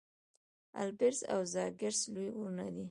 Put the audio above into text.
البرز او زاگرس لوی غرونه دي.